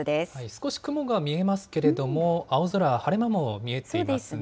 少し雲が見えますけれども、青空、晴れ間も見えていますね。